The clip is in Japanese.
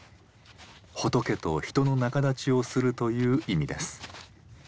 仏と人の仲立ちをするという意味です。